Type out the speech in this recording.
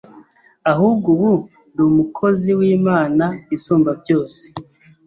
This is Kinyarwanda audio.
ahubwo ubu ndi umukozi w’Imana isumba byose.